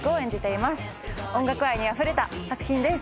音楽愛にあふれた作品です。